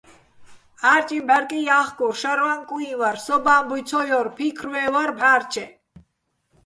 ჺარჭიჼ ბჺარკი ჲა́ხკურ, შაჲრვაჼ კუიჼ ვარ, სო́უბო̆ ა́მბუჲ ცო ჲორ, ფიქრვე́ჼ ვარ ბჺა́რჩეჸ.